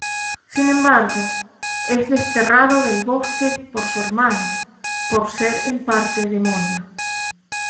Sin embargo, es desterrado del bosque por su hermano por ser en parte demonio.